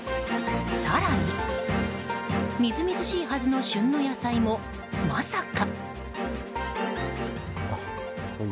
更に、みずみずしいはずの旬の野菜もまさか。